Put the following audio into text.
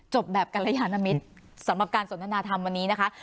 แบบกรยานมิตรสำหรับการสนทนาธรรมวันนี้นะคะ